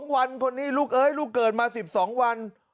๒วันคนนี้ลูกเอ้ยลูกเกิดมา๑๒วัน